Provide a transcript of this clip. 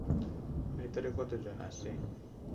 ভেতরে কতজন আছে?